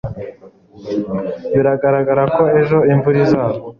Biragaragara ko ejo imvura izagwa.